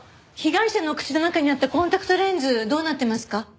被害者の口の中にあったコンタクトレンズどうなってますか？